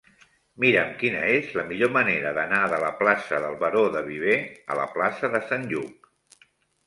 Mira'm quina és la millor manera d'anar de la plaça del Baró de Viver a la plaça de Sant Lluc.